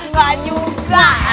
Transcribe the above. nggak juga nyai